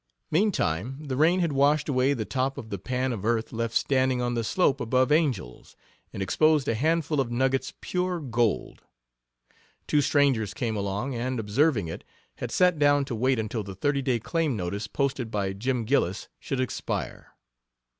Meantime the rain had washed away the top of the pan of earth left standing on the slope above Angel's, and exposed a handful of nuggets pure gold. Two strangers came along and, observing it, had sat down to wait until the thirty day claim notice posted by Jim Gillis should expire.